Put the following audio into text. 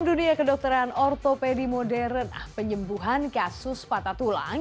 dunia kedokteran ortopedi modern penyembuhan kasus patah tulang